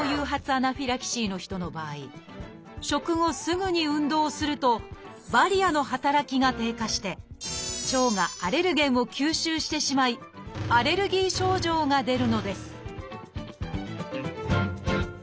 アナフィラキシーの人の場合食後すぐに運動をするとバリアの働きが低下して腸がアレルゲンを吸収してしまいアレルギー症状が出るのです